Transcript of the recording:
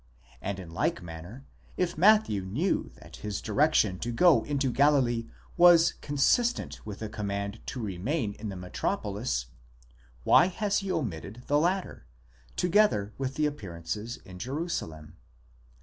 and in like manner, if Matthew knew that his direction to go into Galilee was consistent with the command: to remain in the metropolis, why has he omitted the latter, together with the appearances in Jerusalem?